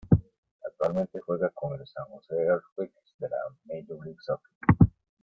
Actualmente juega con el San Jose Earthquakes de la Major League Soccer.